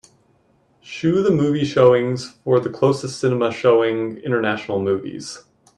Shoe the movie showings for the closest cinema showing international movies